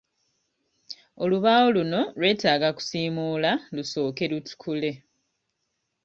Olubaawo luno lwetaaga kusiimuula lusooke lutukule.